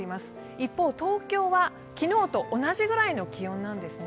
一方、東京は昨日と同じぐらいの気温なんですね。